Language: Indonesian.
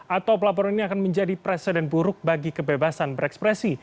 atau pelaporan ini akan menjadi presiden buruk bagi kebebasan berekspresi